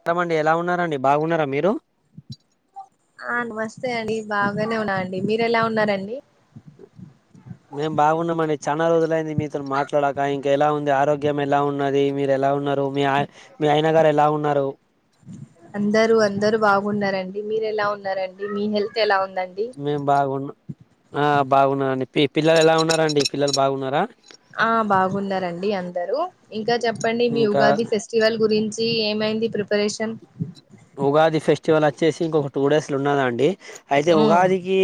స్తామండి ఎలా ఉన్నాండి బాగున్నారా మీరు ఆ నమస్తే అండి బాగానే ఉన్నాండి మీరు ఎలా ఉన్నారండి మేం బావున్నామండి చాలా రోజులయింది మీతో మాట్లాడాక ఇంకా ఎలా ఉంది ఆరోగ్యం ఎలా ఉన్నది మీరు ఎలా ఉన్నారు మీ మీ అయన గారు ఎలా ఉన్నారు అందరు అందరు బాగు న్నారండి మీరు ఎలా ఉన్నారండి మీ హెల్త్ ఎలా ఉం మేం బాగున్నా ఆ బాగున్నానండి పి పిల్లలు ఎలా ఉన్నారండి పిల్లలు బాగున్నారా ఆ బాగున్నారండి అందరూ ఇంకా చెప్పండి మీ ఇంకా ఉగాది ఫెస్టివల్ గురించి చి ఏమైంది ప్రిపరేషన్ ఉగాది ఫెస్టివల్ వచ్చేసి ఇంకొక టూ డేస్ల ఉన్నాదండి అయితే మ్మ్ ఉగాదికి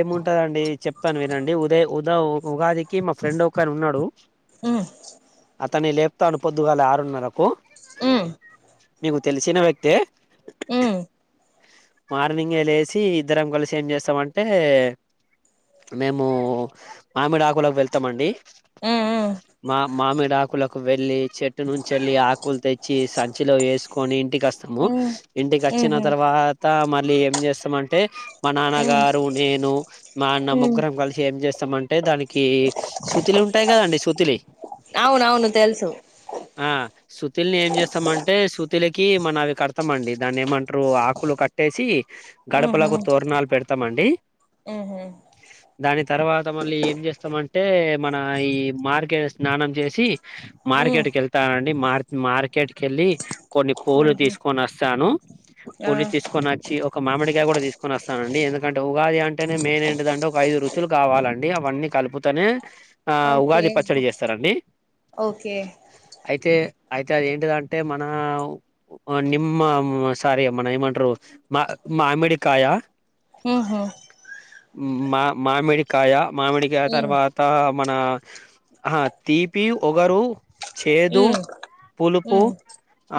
ఏముంటదండి చెప్ పనిదండి ఉదయ ఉదా ఉగాదికి మా ఫ్రెండ్ ఒకని ఉన్నాడు అతన్ని లే తాను పొద్దుగాల ఆరున్నరకు మ్మ్ నికు తెలిసిన వ్యక్తి హమ్ మార్నింగ్ వెళ్ళసి ఇద్దరం కలిసి ఏం చేస్తామంటే మేము మామిడి ఆకులోకి వెళ్తామండి మ్మ్ మా మామీ డాకులు వెళ్ళి చెట్టు నుంచిళ్ళలి ఆకులు తెచ్చి సంచిలో వేసుకొని ఇంటికి వస్తాము మ్మ్ ఇంటికి మ్మ్ వచ్చిన మ్మ్హు, తర్వాత మరి మళ్ ఏం చేస్తామంటే మా మ్మ్ నాన్నగారు నేను మా అన్న మ్మ్ ముగ్గురం కలిసి ఏం చేస్త ఇస్తాం అంటే దానికి శుతిలి ఉంటాయి కదండి శుతిలి అవునవును తెలుసు శుతిల్ని ఏం చేస్తామంటే శుతిలకి మన అవి కడతా కస్తంమండి దాన్ని ఏమంటారు ఆకులు కట్టేసి మ్మ్ గడపలకు తోరణాలు పెడుత మ్మ్ దాని తర్వాత మళ్ళీ ఏం చేస్తామంటే మన ఈ మార్కెట్ స్నానం చేసి మ్మ్ మార్కెట్కి వెళ్తానండి మ మార్కెట్ క వెళ్ళి కొన్ని పూలు తీసుకు కొనస్తాను ఆ పులి తీసుకన్నాక వచ్చి ఒక మామిడికాయ కూడా తీసుకుని వస్తానండి ఎందుకంటే ఉగాది అంటేనే మెయిన్ ఏంటదంటే ఒక ఐదు రుచులు కావాలండి అవన్నీ కలుపుతనే ఆ ఓకే ఉగాది పచ్చడి చేస్తారండి ఓకే అయితే అయితే అది ఏంటిదంటే మన నిమ్ సార అమ్మన ఏమండారు మా మామిడికాయ హహ మా మామిడికాయ మామిడిగా మ్మ్ తర్వాత మన ఆ తీపి ఒగరు చేదు మ్మ్ పులుపు మ్మ్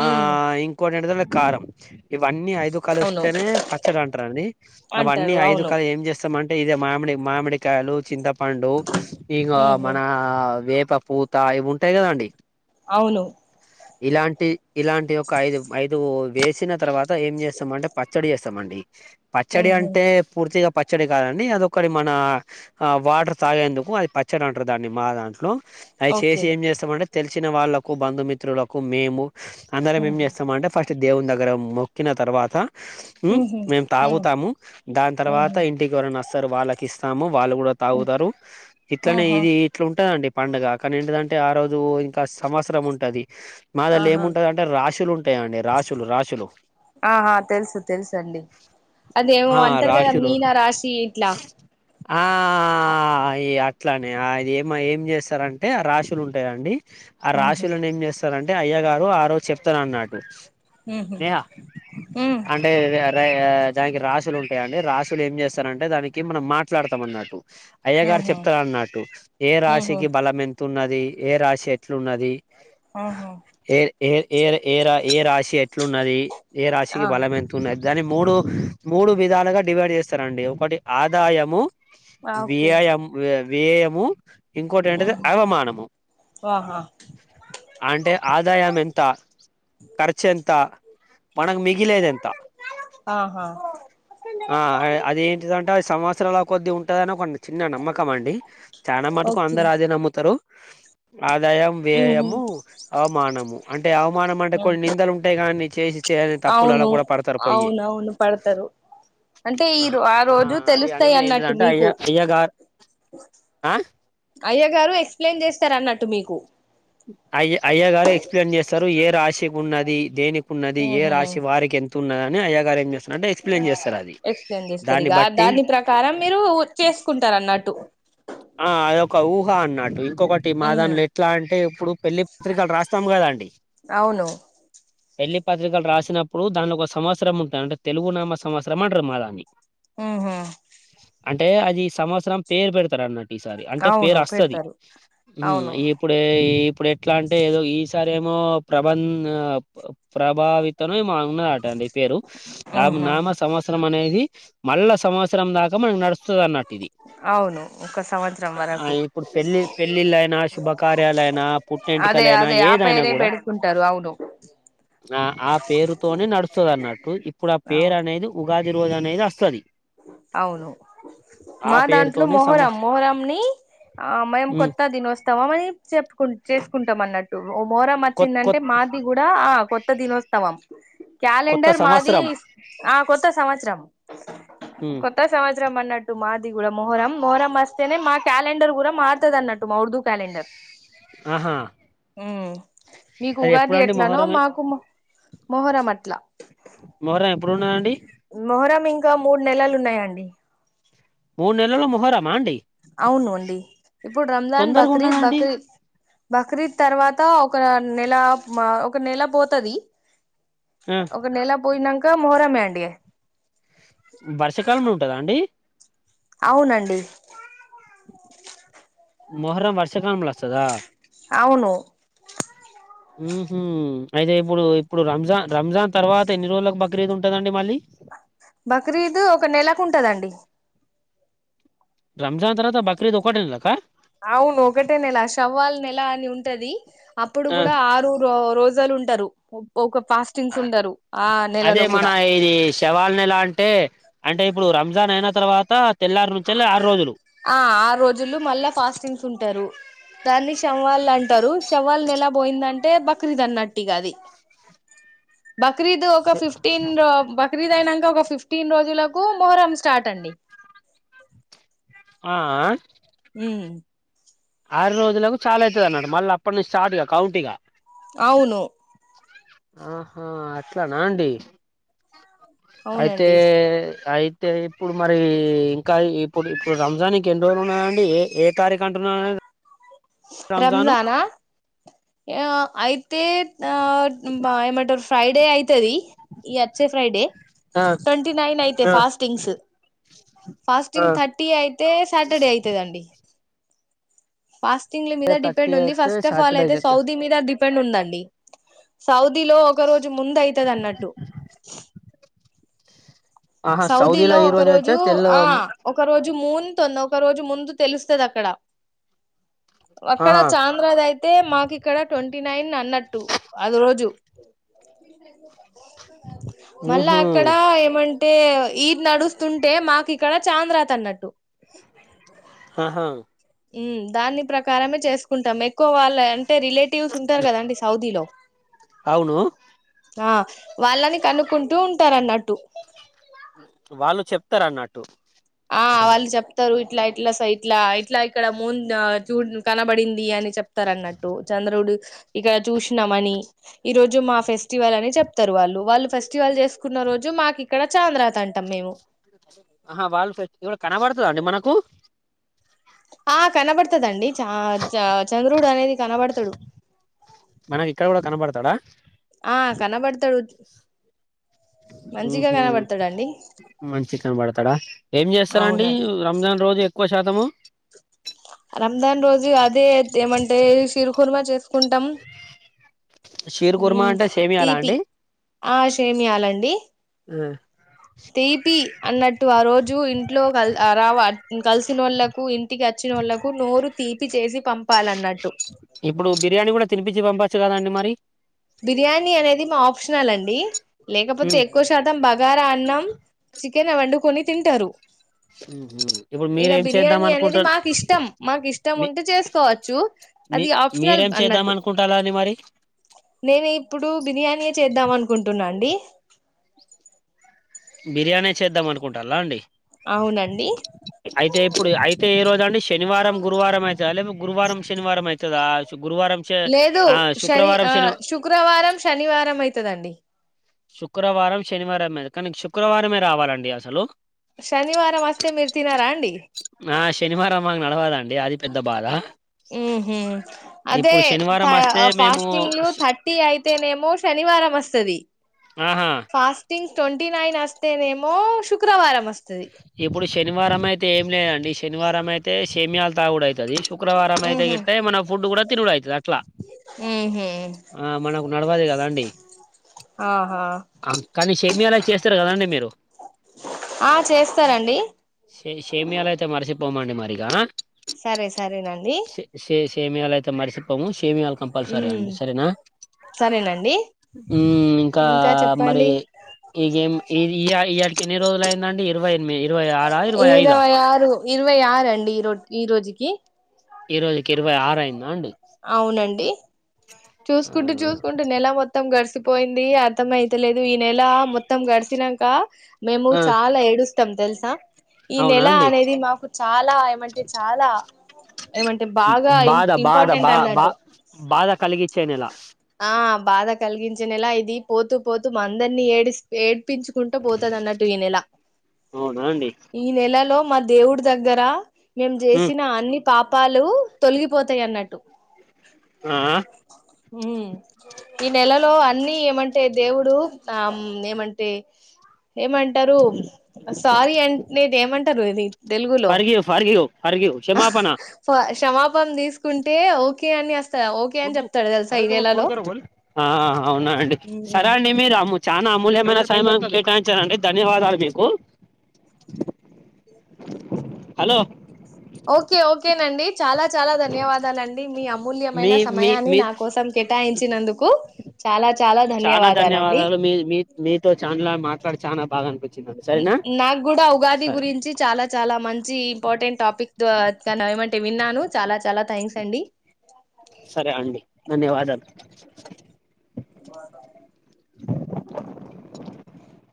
ఆ మ్మ్ ఇం కొ నిడుదల కారం ఇవన్నీ అఐ ఐదు కలు అవును వస్తేనే పచ్చడి అంటారుని అవన్నీ అంటారు ఐదు అవును కాలు ఏం చేస్తామంటే ఇదే మామిడి మామిడి కాయలు చింతపండు ఈకా ఉహు మన వేప పూత ఇవి ఉంటాయి కదా అండి అవును ఇలాంటి ఇలాంటి ఒక ఐదు ఐదు వేసిన తర్వాత ఏం చేస్తామంటే పచ్చడి చేస్తామండి పచ్చడి ఉహు అంటే పూర్తిగా ప చ్చడి కాదండి అదిొ ఒకటి మన వాటర్ తాగేందుకు అది పచ్చడి అంటారు దాన్ని మా దాంట్లో అది చేసి ఓకే ఏం చేస్తామంటే తెల్ వచ్చిన వాళ్లకు బంధుమిత్రులకు మేము అందరం మేమ్ ఉహు చేస్ మహా అంటే ఫస్ట్ దేవుని దగ్గర మొక్కిన తర్వాత ఉహు మేము ఉ తాగుతాము దాని తర్వాత ఉహు ఇంటికి ఎవరనాస్తారు వాళ్ళ కిస్తాము వాళ్ళు కూడా ఉ తాగుతారు ఇట్లనే ఆహా ఇది ఇట్లా ఉంటదండి పండుగ కాని ఏంటిదంటే ఆ రోజు ఇంకా సంవత్సరం ఉంటది మాదల్ ఆహా ఏముంటది అంటే రాసుులు ఉన్ ఉంటాయండి రాసులు రాసులు ఆహా తెలుసు తెలుసు అండి అదేమో ఆ అంటారు కదా రాసులు మీనా రాశి ఇట్లా ఆ ఇయా ఇట్ల అని ఆ ఏమ ఏం చేస్తారంటే రాశులు ఉంటాయండి ఆ ఉహు రాశులను ఏం చేస్ అంటారు అయ్య గారు ఆ రోజు చెప్తన్ అన్నాడ్ బొ ఉహు నేహా ఉ అంటే దానికి రాశులు ఉంటాయంండి రాశు ఏం చేస్తారంటే దానికి మనం మాట్లాతాం అన్నట్టు అయ్య గారు ఉహు చెప్తర్ అన్నట్ ఏ ఉహు రాశికి బలం ఎంతున్నది ఏ రాసి ఎట్లున్నది ఆహా ఏ ఏ ఏర్ ఏరాయి ఏ రాశి ఎట్లున్నది ఏ ఆ రాశికి బలం ఎంతు ఉన్నద్ దాన్ని మూడు మూడు విధాలుగా డివైడ్ చేస్తారండి ఒకటి ఆదాయము ఆ వి. Okay I. యమ్ ఏం వేయము ఇంకోటి ఏంటది ఉహు అవమానము ఆహా అంటే ఆదాయం ఎంత ఖర్చు ఎంత మనగ్ మిగిలేది ఎంత ఆహా ఆ అది ఏంటిదంటే అ సంవత్సరల కొద్ది గా ఉంటదని ఒకన్ని చిన్న నమ్మకం అండి చాలా మటుకు ఓకే అందరు అదే నమ్ముతరు ఆదాయం ఉహు వ్యయము అవమానము అంటే అవమానం కొన్ని నిందలు ఉంటాయి కానీ చేసి చేయని తప్పులు అలా అవును కూడా పడతారు పోయి అవునవును పడతారు అంటే ఈ ఆ రోజు అది తెలుస్తాయి అనేది ఏంటిది అన్నట్టు అంటే మీకు అయ్యా అయ్యా గారు ఆ అయ్య గారు ఎక్స్ప్లెయిన్ చేస్తారు అన్నట్టు మీకు అయ్య అయ్య గారు ఎక్స్ప్లెయిన్ చేస్తారు ఏ రాశి ఉన్నది దేని ఉన్నది ఏ ఉహు రాశి వారికి ఎం తున్నదని అయ్యగారే ఎక్స్ప్లెయిన్ చేస్తారు దాన్ని ఇక బట్టి దాని ప్రకారం మీరు చేసుకుంటారు అన్నట్టు ఒక ఊహా అన్నట్టు ఈ ఇంకొకటి ఉహు మాదాన్లో ఎట్లా అంటే ఇప్పుడు పెళ్లి పత్రికలు రాస్తాం కదా అండి అవును పెళ్ళి పత్రికలు రాసినప్పుడు దానికి ఒక సంవత్సరం ఉంటుంది అంటే తెలుగు నామ సంవత్సరం అంటరు మా దాన్ని ఉహు అంటే అది సంవత్సరం పేరు పెడతారు అన్నట్టు ఈసారి అంటే పేరు అవును వస్తుది పెడతారు మ్మ్ అవును ఇప్పుడే ఇప్పుడు ఎట్లా అంటే ఏదో ఈసారి ఏమో ప్రబం ప్రభావితమే మా ఉన్నారటండి పేరు నా ఉహు నామ సంవత్సరం అనే ఇది మళ్ళా సంవత్సరం దాకా మనకి నడుస్తుది అన్నట్టు ఇది అవును ఒక సంవత్సరం వరకు శుభకార్యాలయినా అదే అదే ఆ పేరే పెడుకుంటారు అవును ఆ ఆ పేరుతోనే నడుస్తది అన్నట్టు ఇప్పుడు ఆ పేరు అవును అనేది ఉగాది రోజు అనేది వస్తది అవును ఆ మా దాంట్లో పేరుతోనే మొహరం సంవత్స మొహరంని ఆ మేము హ్మ్. కొత్త దినోత్సవం అని చెప్పుకుం చేసుకుంటాం అన్నట్టు ఓ మొహరం కొత్ వచ్చిందంటే కొత్ మాది కూడా ఆ కొత్త దినోత్సవం కొత్త క్యాలెండర్ మాది సంవత్సరం. ఆ కొత్త సంవత్సరం హ్మ్. కొత్త సంవత్సరం మన్నట్టు మాది కూడా మొహరం మొహరం వస్తేనే మా కేల కాలెండర్ కూడా మార్తదన్నట్టు మా ఉర్దూ క్యాలెండర్ ఆహా! హ్మ్ మీకు అది ఉగాది ఎప్పుడండి ఎట్లనో మొహర్రం మాకు మొ మొహరం అట్లా ఎప్పుడున్నా అండి మొహరం ఇంకా మూడు నెలలు ఉన్నాయండి మూడు నెలలో మొహరమా అండి అవునుండి ఇప్పుడు రంజాన్ తొందరగా బక్రీద్ ఉన్నదండి బక్రీద్ బక్రీద్ తర్వాత అంత ఒక నెల ఒక నెల పోతది ఆ ఒక నెల పోయినాంక ఇక మొహరమే అండి వర్షాకాలంలో ఉంటందా అండి అవునండి మోహరం వర్షకాలం ల సదా అవును ఉహు అయితే ఇప్పుడు ఇప్పుడు రంజాన్ రంజాన్ తర్వాత ఎన్ని రోజులకు బక్రీదు ఉంటదండి మళ్ళీ బక్రీద్ ఒక నెలకు ఉంటదండి రంజా తర్వాత బక్రీద్ ఒకటెన కా అవును ఒకటే నెల షవ్వల్ నెల అని ఉంటది అప్పుడు ఆ కూడా ఆరు రోజు ఉంటారు ఒక ఫాస్టింగ్స్ ఉండరు ఆ అదే నెలలో మన కూడా ఇది షవల్ నెల అంటే అంటే ఇప్పుడు రంజాన్ అయిన తర్వాత తెల్లారు నుంచి ఆరు రోజులు ఆ ఆ రోజులు మళ్ళా ఫాస్టింగ్స్ ఉంటారు దాన్ని షవల్ అంటారు షవల్ నెల పోయిందంటే బక్రీద్ అన్నట్టిగా అది బక్రీద్ ఒక శ- ఫిఫ్టీన్ బ బక్రీదు అయినాక ఒక ఫిఫ్టీన్ రోజులకు మొహరం స్టార్ట్ అండి ఆ ఆ హూ ఆరు రోజులకు చాలా అయితది అన్నడు మళ్ళీ అప్పటి నుంచి స్టార్ట్ గా కౌంట్ ఇగా అవును ఆహా అట్లా నా అండి అయితే అవునండి అయితే ఇప్పుడు మరీ ఇంకా ఇప్పుడు ఇప్పుడు రంజాన్కి ఎన్ని రోజులు ఉన్నాండి ఏ ఏ తారీఖు అంటున్నా రంజానా ఏ ఆయి తే బాయ మటర్ ఫ్రైడే అయితే అది ఈ వచ్చే ఫ్రైడే ఆ ట్వంటీ నైన్ అయితే ఆ ఫాస్టింగ్స్ ఆ ఫాస్టింగ్ థర్టీ అయితే సాటర్డే అవుతదండి పాస్ టింగ్ మీద థర్టీ డిపెండ్ ఉంది అయితే ఫస్ట్ ఆఫ్ ఆల్ సాటర్డే అయితే సౌదీ మీద డిపెండ్ ఉందండి [inaudible] సౌదీలో ఒక రోజు ముందు అయితది అన్నట్టు ఆహా సౌదీలో ఈ ఒక అయితే రోజు తెల్ల ఆ ఒక రోజు మూన్ తోన్ ఒక రోజు ముందు తెలుస్తదక్కడ వక్కడ ఆహా చాంద్రాద్ ఐతే మాకిక్కడ ట్వంటీ నైన్ అన్నట్టు ఆ రోజు మళ్ళా ఊహు అక్కడ ఏమన్ టే ఈద్ నడుస్తుంటే మాకిక్కడ చాంద్రాత్ అన్నట్టు హాహా మ్ దాన్ని ప్రకారమే చేసుకుంటాం ఎక్కువ వాళ్ళె ఎన్ టే రిలేటివ్స్ ఉంటారు కదండి సౌదీలో అవును ఆ వాళ్ళని కనుక్కుంటూ ఉంటారు అన్నట్టు వాళ్ళు చెప్తారు అన్నట్టు ఆ వాళ్ళు చెప్తారు ట్లా ఇట్లా సైట్లా ఇట్లా ఇక్కడ మూన్ చూ కనబడింది అని చెప్ తారన్నట్టు చంద్రుడు ఇక్కడ చూసినామని ఈ రోజు మా ఫెస్టివల్ అని చెప్తారు వాళ్ళు వాళ్ళు ఫెస్టివల్ చేసుకున్న రోజు మాకిక్కడ చాంద్రాత్ అంటాం మేము ఆహా వాళ్ళు ఫే కనబడుతదా అండి మనకు ఆ కనబడ్తదండి చ చ చంద్రడు అనేది కనబడతాడు మనకి ఇక్కడ కూడా కనబడతాడా ఆ కనబడతాడు మంచిగా ఊహూ కనబడతాడుండి మంచిగ కనపడతాడా ఏం చేస్తారండి అవునండి రంజాన్ రోజు ఎ క్కువ శాతం రంజన్ రోజు అదేత్ ఏమంటే షీరుకుర్మ చేసుకుంటాం షీర్ కుర్మా మ్ అంటే సేమియాలా తీపి అండి ఆ షేమియాలండి తీపి అన్నట్టు ఆ రోజు ఇంట్లో కల్ రావ కల్స్ తినోళ్లకు ఇం టి కచ్చినోళ్ళకు నోరు తీపి చేసి పంపాలన్నట్టు ఇప్పుడు బిర్యానీ కూడా తినిపిచ్చి పంపచ్చు కదాండి మరి బిర్యానీ అనేది మా ఆప్షనల్ అండి లేకపోతే ఉమ్ ఎక్కువ శాతం బగారా అన్నం చికెన్ వండుకొని తింటారు ఇప్పుడు ఇగ మీరేం చేద్దాం బిర్యానీ అనేది అనుకుంటారు మాకు ఇష్టం మాకు ఇష్టం మీ ఉంటే చేసుకోవచ్చు మీ అది ఆప్షనల్ మీరేం చేద్దాం అన్నట్టు అనుకుంటాలా అండి మరి నేను ఇప్పుడు బిర్యానీ చేద్దాం అనుకుంటున్నా అండి బిర్యానీ చేద్దాం అనుకుంటాల్ల అండి అవునండి అయితే ఇప్పుడు అయితే ఈ రోజు దండి శనివారం గురువారం అయితద లేపితే గురువారం శనివారం అయితదా గురువారం చే లేదు ఆ శని శుక్రవారం ఆ శుక్రవారం శనివారం అయితదండి శుక్రవారం శనివారంమే కానీ శుక్రవారమే రావాలండి అసలు శనివారం వస్తే మీరు తినారా అండి ఆ శనివారం మకు నడవాదం మ్ హు అదే ఇప్పుడు శనివారం వస్తే మేము ఫాస్టింగ్ థర్టీ అయితేనేమొ శ శనివారం వస్తది ఆహా ఫాస్టింగ్ ట్వంటీ నైన్ వస్తేనేమో శుక్రవారం వస్తది ఇప్పుడు శనివారం అయితే ఏం లేదండి శనివారం అయితే సేమయాాల తాగుడయి ది శుక్రవారం అయితే ఉహు గట్ట ఏమన్న ఫుడ్ కూడా తిినుడయితది అట్లా ఉహు ఆ మనకు నడవదు కదాండి ఆహా కానీ సేమియాలు అయి చేస్తారు కదండి మీరు ఆ చేస్తారండి సే సేమియాాలు అయితే మరిచె పో భో మాండి మరిగా సరే సరేనండి సేమియలయితే మరిసిపోము సేమియలు కంపల్సరీ ఉమ్ అండి నా సరేనండి హు ఇంకా మరి ఇం ఇది ఇయ్యాటికి ఎన్ని రోజులైందండి ఎప్ ఇరవై ఇరవై ఆరా ఇరవై ఐదుా ఇరవై ఆరండి ఈరో ఈ రోజుకి ఈ రోజుకి ఇరవై ఆరయింద అండి అవునండి ఆ చూసుకుంటూ చూసుకుంటూ నెల మొత్తం గడిసి పోయింది అర్థం అయితలేదు ఈ నెల మొత్తం గడిచినంక మేము ఆ చాలా ఏడుస్తాం తెలు సా ఈ అవునా నెల అండి. అనేది మాకు చాలా ఏమంటే చాలా ఏమంటే బాగా ఇ ఇం ధ బా ఇంపార్టెంట్ బా అన్నట్టు బాధ కలిగిచ్చేనేెల ఆ బాధ కలిగించె నేలా ఇది పోతూ పోతూ అందరిని ఏడిస్ ఏ ప్పించుకుంటా పోతది అన్నట్టు ఈ నెల అవునా అండి ఈ నెలలో మా దేవుడి దగ్గరా మేం ఉమ్ జేసిన అన్ని పాప్ పాలు తొల్లియిపోతయన్న టు ఆఅ ఉ ఈ నెలలో అన్నీ ఏమంటే దేవుడు ఆమ్ ఏమంటే ఏమంటారు సారీ అన్ నేదేమెం ట్రరు ఇది తెలుగులో ఫార్గియు ఫరియు అరిగ్యూ క్షమాపణ పం తీసుకుంటే ఓకే అని అస్ ఆ అవున అండి, ఉమ్ సరే అండి మిరా అము చానా అమూల్యమైన సైమన్ కేటాయించారండి ధన్యవాదాలు మీకు, హలో ఓకే ఓకేనండి. చాలా చాలా ధన్యవాదాలండి మీ అమూల్యమైన మీ మీ సమయాన్ని మీ నా కోసం కేటాయించినందుకు చాలా చాలా చాన ధన్యవాదాలండి ధన్యవాదాలు మీ మీత్ మీతో చాన్ల మా ట్లడి చాన బాగ అనిపి ఇ నాకూడా ఉగాది గురించి చాలా చాలా మంచి ఇంపార్టెంట్ టాపిక్ ద్దో ఒద్దన్నారు ఏమంటే విన్నాను చాలా చాలా థ్యాంక్స్ తండి సరే అండి ధన్యవాదాల్